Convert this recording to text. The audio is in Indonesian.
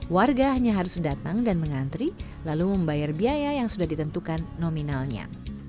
warga hanya harus datang dan mengantri lalu membayar biaya yang sudah ditentukan nominalnya